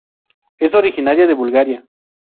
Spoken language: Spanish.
Es originaria de Bulgaria.